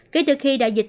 kể từ khi đại dịch